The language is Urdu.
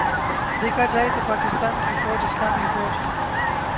دیکھا جائے تو پاکستان کی فوج اسلامی فوج